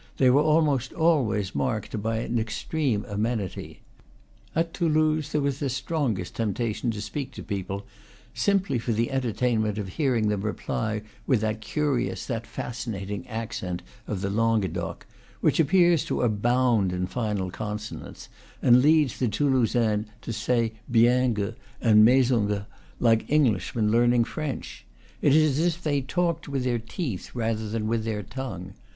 They were almost always marked by an extreme amenity. At Toulouse there was the strongest temptation to speak to people, simply for the entertainment of hearing them reply with that curious, that fascinating accent of the Languedoc, which appears to abound in final con sonants, and leads the Toulousains to say bien g and maison g, like Englishmen learning French. It is as if they talked with their teeth rather than with their tongue.